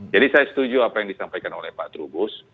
jadi saya setuju apa yang disampaikan oleh pak trubus